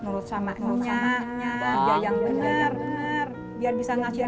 nurut sama imahnya kerja yang bener biar bisa ngasih angka buat si ani